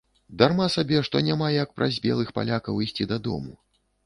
Дарма сабе, што няма як, праз белых палякаў, ісці дадому.